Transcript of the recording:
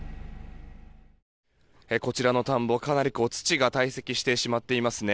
こちらの田んぼかなり土が堆積してしまっていますね。